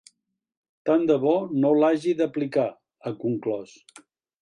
Tan de bo no l’hagi d’aplicar, ha conclòs.